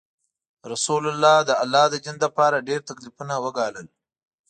رسول الله د الله د دین لپاره ډیر تکلیفونه وګالل.